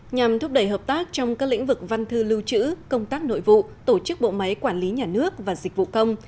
nhằm thúc đẩy hợp tác trong các lĩnh vực văn thư lưu trữ công tác nội vụ tổ chức bộ máy quản lý nhà nước và dịch vụ công